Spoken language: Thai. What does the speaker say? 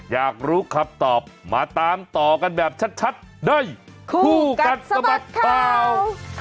อยากรู้คำตอบมาตามต่อกันแบบชัดในคู่กัดสะบัดข่าว